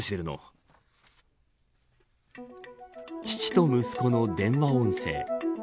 父と息子の電話音声。